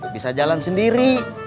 bisa jalan sendiri